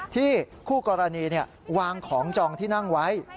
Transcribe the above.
คู่กรณีวางของจองที่นั่งไว้